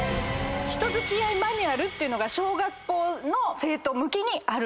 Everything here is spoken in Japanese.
人付き合いマニュアルってのが小学校の生徒向きにあるんです。